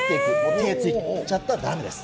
手ついちゃったらだめです。